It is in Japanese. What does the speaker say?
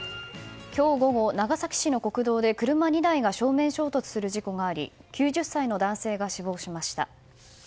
今日午後、長崎市の国道で車２台が正面衝突する事故があり９０歳の男性が死亡しました。